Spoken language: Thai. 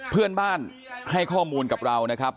เพื่อนบ้านให้ข้อมูลกับเรานะครับ